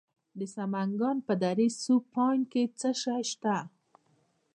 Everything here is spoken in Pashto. د سمنګان په دره صوف پاین کې څه شی شته؟